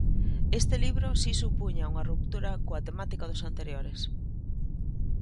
Este libro si supuña unha ruptura coa temática dos anteriores.